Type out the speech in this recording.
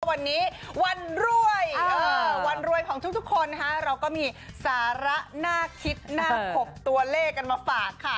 วันนี้วันรวยวันรวยของทุกคนนะคะเราก็มีสาระน่าคิดน่าขบตัวเลขกันมาฝากค่ะ